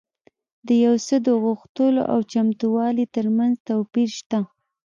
د یو څه د غوښتلو او چمتووالي ترمنځ توپیر شته